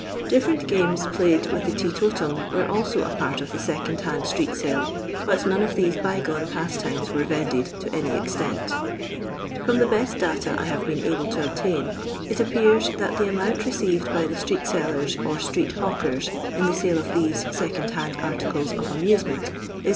Different games played with the teetotum were also a part of second hand street sale, but none of these bygone pastimes were vended to any extent. From the best data I have been able to obtain it appears that the amount received by the street sellers or street hawkers in the sale of these second hand articles of amusement is 10